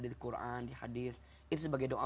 di quran di hadis itu sebagai doa